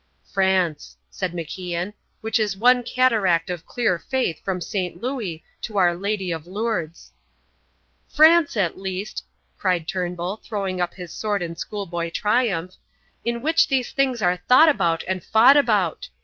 "France," said MacIan, "which is one cataract of clear faith from St. Louis to Our Lady of Lourdes." "France at least," cried Turnbull, throwing up his sword in schoolboy triumph, "in which these things are thought about and fought about.